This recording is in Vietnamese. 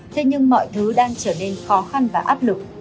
thế nhưng mọi thứ đang trở nên khó khăn và áp lực